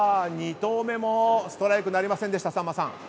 ２投目もストライクなりませんでしたさんまさん。